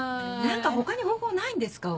何か他に方法ないんですか？